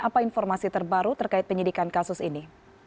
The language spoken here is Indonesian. apa informasi terbaru terkait penyidikan kasus ini